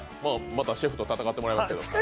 またシェフと戦ってもらいますけど。